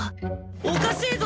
おかしいぞ！